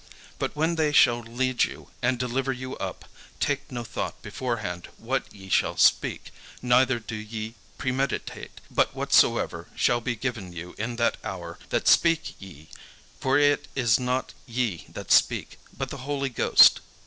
But when they shall lead you, and deliver you up, take no thought beforehand what ye shall speak, neither do ye premeditate: but whatsoever shall be given you in that hour, that speak ye: for it is not ye that speak, but the Holy Ghost.